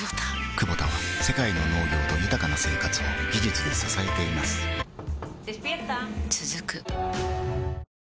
クボタは世界の農業と豊かな生活を技術で支えています起きて。